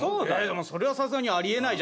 それはさすがにあり得ないじゃないけど。